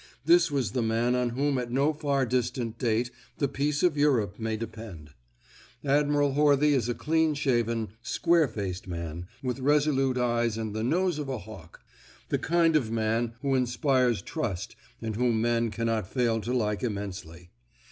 This was the man on whom at no far distant date the peace of Europe may depend. Admiral Horthy is a cleanshaven, square faced man, with resolute eyes and the nose of a hawk. The kind of man who inspires trust and whom men cannot fail to like immensely.